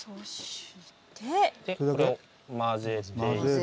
これを混ぜて。